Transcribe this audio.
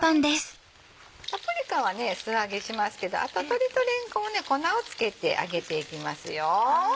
パプリカは素揚げしますけどあと鶏とれんこんは粉を付けて揚げていきますよ。